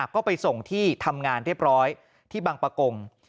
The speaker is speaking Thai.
ก็ไปส่งที่ทำงานเรียบร้อยที่บังปะกง